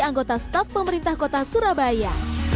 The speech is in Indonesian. anggota staf pemerintah kota surabaya